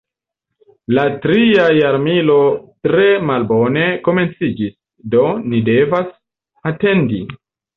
La tria jarmilo tre malbone komenciĝis, do ni devas atendi.